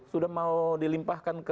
sudah mau dilimpahkan mulia